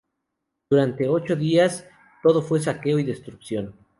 Durante ocho días todo fue saqueo y destrucción.